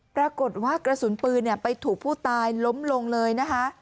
ปรากฏว่ากระสุนปืนไปถูกผู้ตายล้มลงเลยนะคะ